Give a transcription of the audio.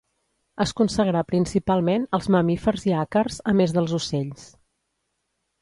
Es consagrà principalment als mamífers i àcars, a més dels ocells.